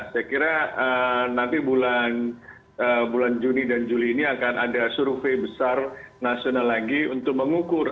saya kira nanti bulan juni dan juli ini akan ada survei besar nasional lagi untuk mengukur